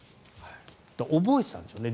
覚えてたんでしょうね。